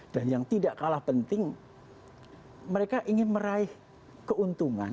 dan yang tidak kalah penting mereka ingin meraih keuntungan